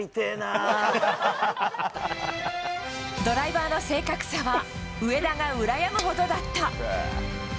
ドライバーの正確さは上田がうらやむほどだった。